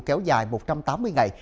kéo dài một trăm tám mươi ngày